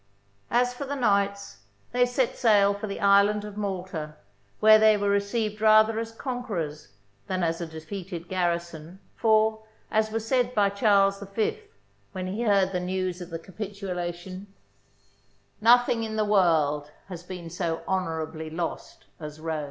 As for the knights, they set sail for the Island of Malta, where they were received rather as conquerors than as a de feated garrison, for, as was said by Charles V when he heard the news of the capitulation, " Nothing in the world has been so honourably lost as Rhodes.'